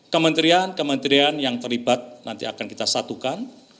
kementerian kementerian yang terlibat nanti akan kita satukan